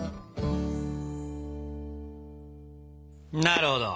なるほど。